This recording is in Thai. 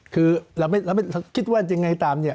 คือเราไม่คิดว่ายังไงตามเนี่ย